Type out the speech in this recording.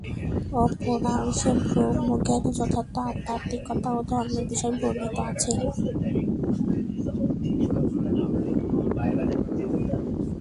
অপরাংশে ব্রহ্মজ্ঞান ও যথার্থ আধ্যাত্মিকতা ও ধর্মের বিষয় বর্ণিত আছে।